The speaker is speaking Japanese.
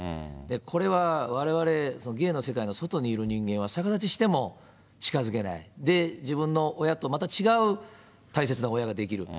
これはわれわれ芸の世界の外にいる人間は、逆立ちしても近づけない、自分の親とまた違う大切な親が出来る。